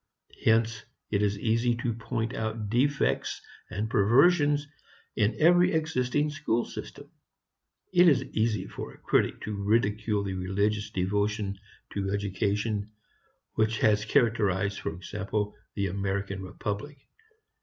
Hence it is easy to point out defects and perversions in every existing school system. It is easy for a critic to ridicule the religious devotion to education which has characterized for example the American republic.